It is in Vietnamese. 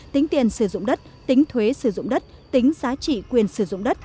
tính tiền sử dụng đất tính thuế sử dụng đất tính giá trị quyền sử dụng đất